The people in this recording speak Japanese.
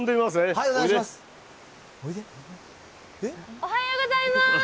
おはようございます。